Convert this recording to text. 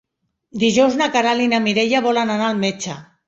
Dijous na Queralt i na Mireia volen anar al metge.